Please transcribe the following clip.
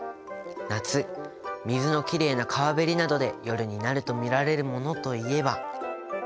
夏水のきれいな川べりなどで夜になると見られるものといえば。